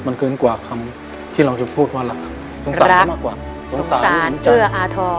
มันเกินกว่าคำที่เราจะพูดว่าสงสารมากกว่าสงสารเอื้ออาทร